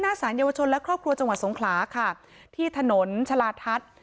สารเยาวชนและครอบครัวจังหวัดสงขลาค่ะที่ถนนชาลาทัศน์